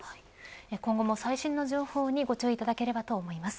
今後も最新の情報にご注意いただければと思います。